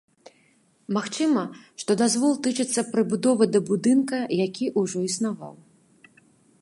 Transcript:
Магчыма, што дазвол тычыцца прыбудовы да будынка, які ўжо існаваў.